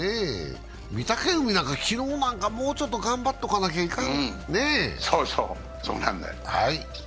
御嶽海なんか昨日もうちょっと頑張っとかないかん。